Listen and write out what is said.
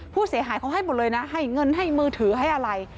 ผู้เสียหายเขาให้หมดเลยนะให้เงินให้มือถือให้อะไร